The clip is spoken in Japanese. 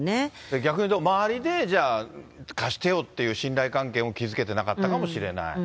逆に言うと周りで、じゃあ、貸してよっていう信頼関係も築けてなかったかもしれない。